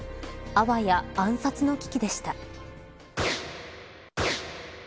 あわや暗殺の危機でした。